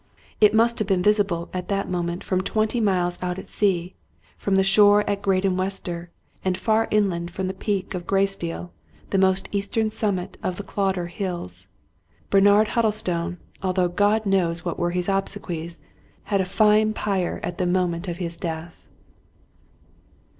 It must have been visible at that moment from twenty miles out at sea, from the shore at Graden Wester, and far inland from the peak of Gray stiel, the most eastern summit of the Caulder Hills. Ber nard Huddlestone, although God knows what were his obse quies, had a fine pyre at the moment of his death.